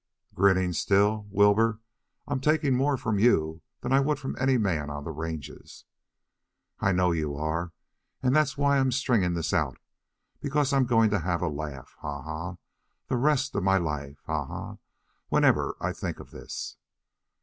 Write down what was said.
"Grinning still? Wilbur, I'm taking more from you than I would from any man on the ranges." "I know you are, and that's why I'm stringing this out because I'm going to have a laugh ha, ha, ha! the rest of my life ha, ha, ha, ha! whenever I think of this!"